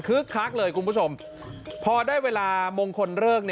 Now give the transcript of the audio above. คักเลยคุณผู้ชมพอได้เวลามงคลเลิก